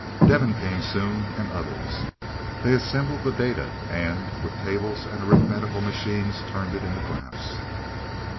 Devin came soon, and others. They assembled the data and with tables and arithmetical machines turned it into graphs.